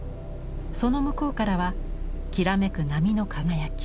その向こうからはきらめく波の輝き。